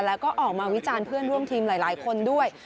แล้วก็ออกมาวิจารณ์เพื่อนร่วมทีมหลายคนด้วย